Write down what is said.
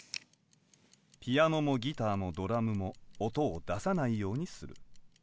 ピアノもギターもドラムも音を出さないようにする。